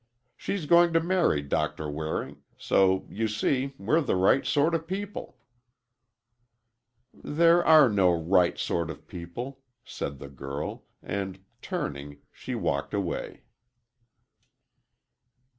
She's going to marry Doctor Waring—so you see we're the right sort of people." "There are no right sort of people," said the girl, and, turning, she walked away.